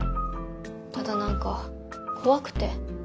ただ何か怖くて。